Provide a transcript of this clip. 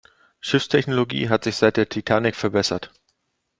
Schiffstechnologie hat sich seit der Titanic verbessert.